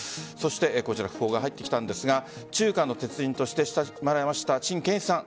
こちら、訃報が入ってきたんですが中華の鉄人として親しまれました陳建一さん